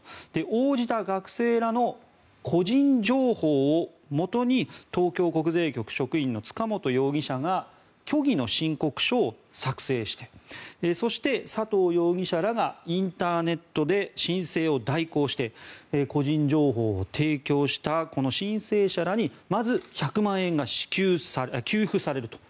応じた学生らの個人情報をもとに東京国税局職員の塚本容疑者が虚偽の申告書を作成してそして、佐藤容疑者らがインターネットで申請を代行して個人情報を提供したこの申請者らにまず１００万円が給付されると。